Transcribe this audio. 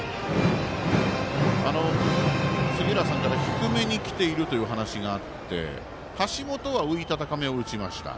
杉浦さんから低めにきているという話があって橋本は浮いた高めを打ちました。